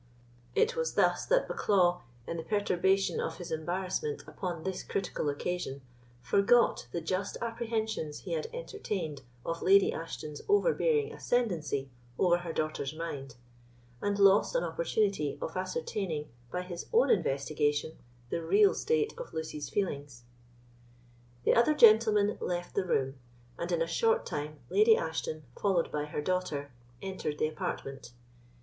It was thus that Bucklaw, in the perturbation of his embarrassment upon this critical occasion, forgot the just apprehensions he had entertained of Lady Ashton's overbearing ascendency over her daughter's mind, and lost an opportunity of ascertaining, by his own investigation, the real state of Lucy's feelings. The other gentlemen left the room, and in a short time Lady Ashton, followed by her daughter, entered the apartment.